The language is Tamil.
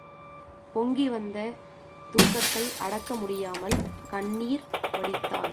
பொங்கி வந்த துக்கத்தை அடக்கமுடியாமல் கண்ணீர் வடித்தாள்.